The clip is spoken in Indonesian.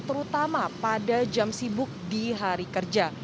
terutama pada jam sibuk di hari kerja